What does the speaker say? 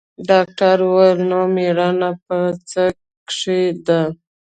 ډاکتر وويل نو مېړانه په څه کښې ده.